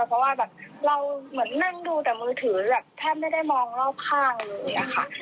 เพราะว่าแบบเราเหมือนนั่งดูแต่มือถือแบบแทบไม่ได้มองรอบข้างเลยอะค่ะ